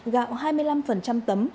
gạo hai mươi năm tấm